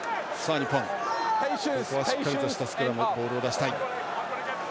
日本、ここはしっかりとしたスクラムでボールを出したい。